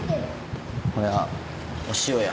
これはお塩や。